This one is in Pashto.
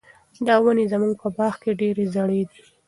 دا ونې زموږ په باغ کې ډېرې زړې دي.